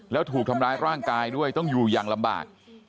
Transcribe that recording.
แล้วถูกทำร้ายร่างกายด้วยต้องอยู่อย่างลำบาก